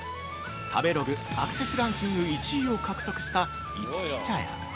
◆食べログアクセスランキング１位を獲得した五木茶屋。